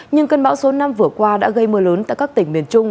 nhưng cơn bão số năm vừa qua đã gây mưa lớn tại các tỉnh miền trung